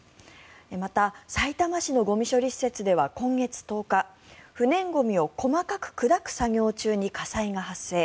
また、さいたま市のゴミ処理施設では今月１０日不燃ゴミを細かく砕く作業中に火災が発生。